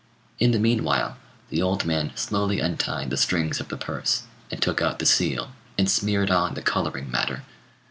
In the meanwhile, the old man slowly untied the strings of the purse, and took out the seal, and smeared on the colouring matter.